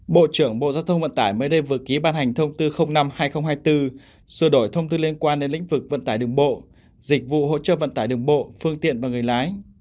bộ trưởng bộ giao thông vận tải mới đây vừa ký ban hành thông tư năm hai nghìn hai mươi bốn sửa đổi thông tư liên quan đến lĩnh vực vận tải đường bộ dịch vụ hỗ trợ vận tải đường bộ phương tiện và người lái